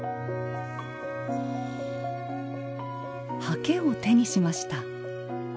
ハケを手にしました。